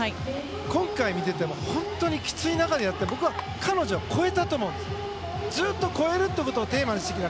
今回見ていても本当にきつい中でやっていて僕は彼女、超えたともずっと超えるということをテーマにしてきた。